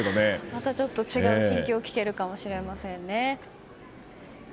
またちょっと違う心境を聞けるかもしれませんね。